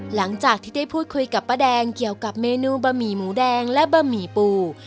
หลังจากที่ได้พูดคุยกับป้าแดงเกี่ยวกับเมนูบะหมี่หมูแดงและบะหมี่ปู